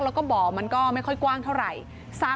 แล้วก็บ่อมันก็ไม่ค่อยกว้างเท่าไหร่